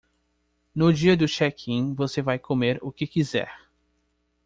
No dia do check-in, você vai comer o que quiser.